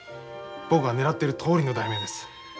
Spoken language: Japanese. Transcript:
僕がねらっているとおりの題名です。